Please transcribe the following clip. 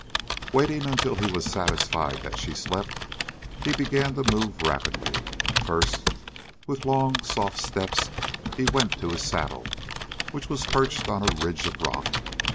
Waiting until he was satisfied that she slept, he began to move rapidly. First, with long, soft steps he went to his saddle, which was perched on a ridge of rock.